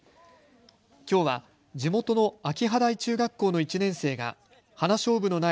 きょうは地元の秋葉台中学校の１年生がハナショウブの苗